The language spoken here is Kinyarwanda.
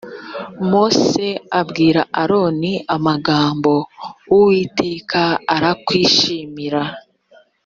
mose abwira aroni amagambo uwiteka arakwishimira